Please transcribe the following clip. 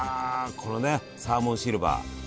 これねサーモンシルバー。